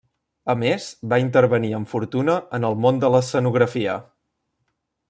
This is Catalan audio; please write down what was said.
A més va intervenir amb fortuna en el món de l'escenografia.